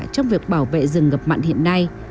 trong việc bảo vệ rừng ngập mặn hiện nay